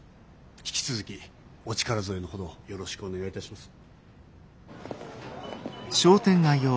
引き続きお力添えのほどよろしくお願いいたします。